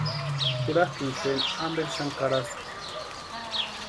Jurakʼuni xeni amperi xani karaski.